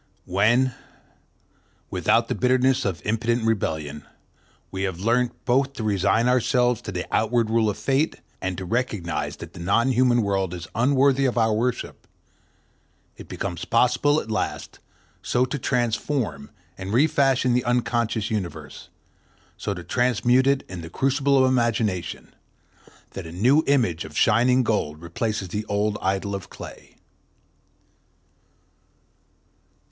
When, without the bitterness of impotent rebellion, we have learnt both to resign ourselves to the outward rule of Fate and to recognize that the non human world is unworthy of our worship, it becomes possible at last so to transform and refashion the unconscious universe, so to transmute it in the crucible of imagination, that a new image of shining gold replaces the old idol of clay.